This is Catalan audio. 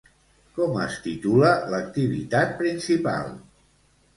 Com es titula l'activitat principal?